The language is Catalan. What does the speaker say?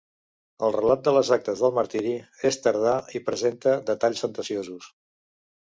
El relat de les actes del martiri és tardà i presenta detalls fantasiosos.